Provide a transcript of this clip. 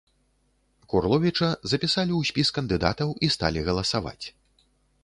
Курловіча запісалі ў спіс кандыдатаў і сталі галасаваць.